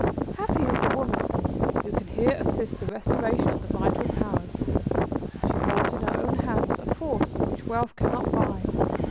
Happy the woman who can here assist the restoration of the vital powers; she holds in her own hands a force which wealth cannot buy.